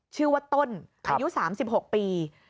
ชื่อว่าต้นอายุ๓๖ปี